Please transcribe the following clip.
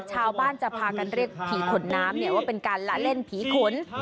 ชาวบ้านจะพากันเรียกผีขนน้ำว่าเป็นการละเล่นผีขน